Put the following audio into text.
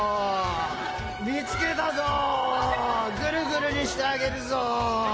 みつけたぞグルグルにしてあげるぞ。